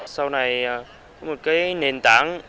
sau này một cái nền tảng